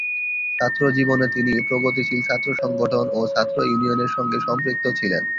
ছাত্রজীবনে তিনি প্রগতিশীল ছাত্র সংগঠন ও ছাত্র ইউনিয়নের সঙ্গে সম্পৃক্ত ছিলেন।